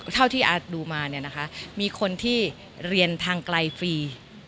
เท่าที่ดูมาเนี่ยนะคะมีคนที่เรียนทางไกลฟรี